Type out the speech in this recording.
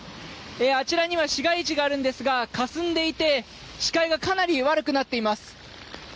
あちらには市街地があるんですがかすんでいて視界がかなり悪くなっています。